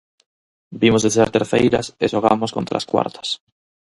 Vimos de ser terceiras e xogamos contra as cuartas.